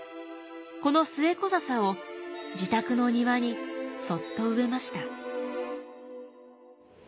このスエコザサを自宅の庭にそっと植えました。